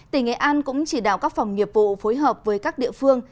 tỉnh nghệ an cũng chỉ đạo các phòng nghiệp vụ phối hợp với các địa phương